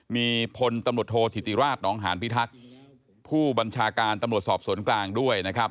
มีพลตำรวจโทษธิติราชนองหานพิทักษ์ผู้บัญชาการตำรวจสอบสวนกลางด้วยนะครับ